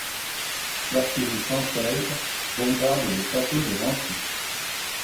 L'artillerie française bombarde le château de Renty.